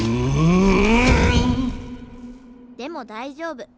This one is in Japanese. でも大丈夫。